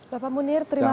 bapak munir terima kasih